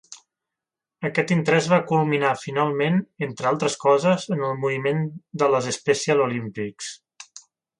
Aquest interès va culminar finalment, entre altres coses, en el moviment de les Special Olympics.